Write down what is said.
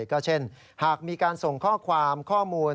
ก็เช่นหากมีการส่งข้อความข้อมูล